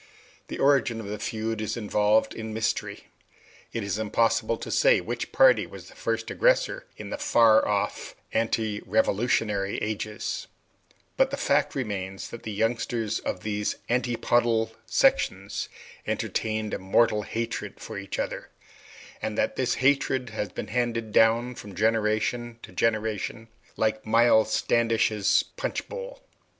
The origin of the feud is involved in mystery; it is impossible to say which party was the first aggressor in the far off anterevolutionary ages; but the fact remains that the youngsters of those antipodal sections entertained a mortal hatred for each other, and that this hatred had been handed down from generation to generation, like Miles Standish's punch bowl.